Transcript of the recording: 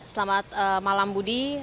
selamat malam budi